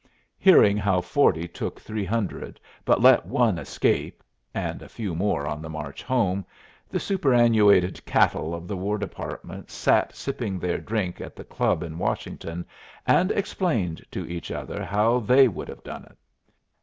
Hearing how forty took three hundred, but let one escape (and a few more on the march home), the superannuated cattle of the War Department sat sipping their drink at the club in Washington, and explained to each other how they would have done it.